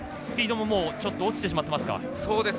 スピードもちょっと落ちてしまってますか。